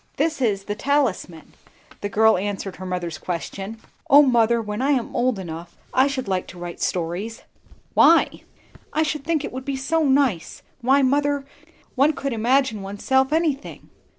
"This is the 'Talisman,'" the girl answered her mother's question. "O mother, when I am old enough, I should like to write stories!" "Why?" "I should think it would be so nice. Why, mother, one could imagine oneself anything."